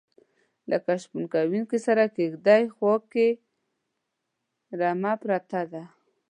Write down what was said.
لکه شپونکي سره کیږدۍ خواکې رمه پرته ده